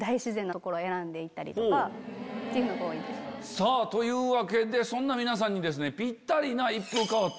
さぁというわけでそんな皆さんにぴったりな。